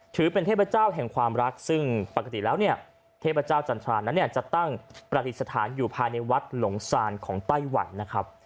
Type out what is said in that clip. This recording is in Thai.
ถือเป็นเทพเจ้าแห่งความรัก๓ซึ่งปกติแล้วเนียเทพเจ้าจันทราจะตั้งประติศาสตร์ฐานอยู่ภายในวัดหลงศ่าของใต้หวันนะครับ